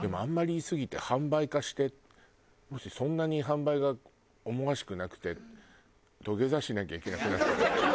でもあんまり言いすぎて販売化してもしそんなに販売が思わしくなくて土下座しなきゃいけなくなる。